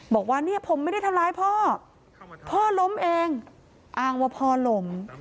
บอกว่าเนี่ยผมไม่ได้ทำร้ายพ่อพ่อล้มเองอ้างว่าพ่อล้ม